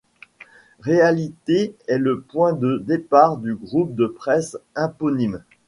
Réalités est le point de départ du groupe de presse éponyme.